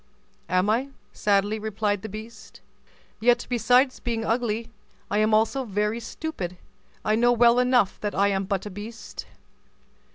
"Am I?" sadly replied the beast; "yet, besides being ugly, I am also very stupid; I know well enough that I am but a beast."